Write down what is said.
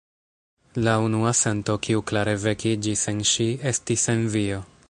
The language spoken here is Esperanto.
La unua sento, kiu klare vekiĝis en ŝi, estis envio.